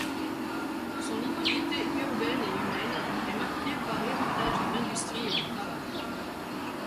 Son identité urbaine et humaine est marquée par l’héritage de l’industrie et du travail.